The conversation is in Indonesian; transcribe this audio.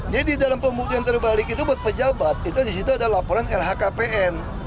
jadi dalam pembuktian terbalik itu buat pejabat itu disitu ada laporan lhkpn